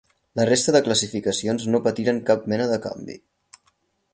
La resta de classificacions no patiren cap mena de canvi.